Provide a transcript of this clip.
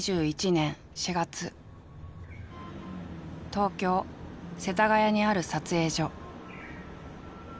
東京・世田谷にある撮影所。